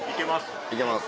いけます？